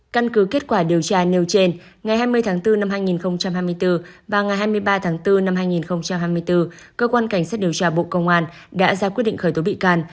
căn cứ kết quả điều tra nêu trên ngày hai mươi tháng bốn năm hai nghìn hai mươi bốn và ngày hai mươi ba tháng bốn năm hai nghìn hai mươi bốn cơ quan cảnh sát điều tra bộ công an đã ra quyết định khởi tố bị can